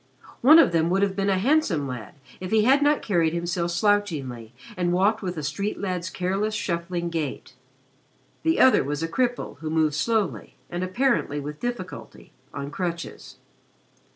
One of them would have been a handsome lad if he had not carried himself slouchingly and walked with a street lad's careless shuffling gait. The other was a cripple who moved slowly, and apparently with difficulty, on crutches.